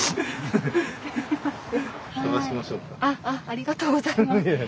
ありがとうございます。